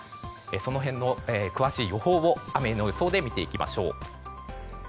その辺の詳しい予報を雨の予想で見ていきましょう。